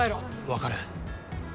分かる。